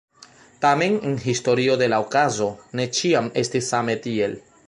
Tamen en historio de la okazo ne ĉiam estis same tiel.